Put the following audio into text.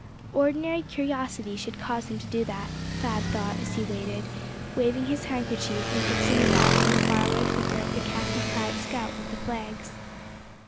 Ordinary curiosity should cause him to do that; Thad thought as he waited; waving his handkerchief and fixing his eyes on the far away figure of the khaki clad scout with the flags.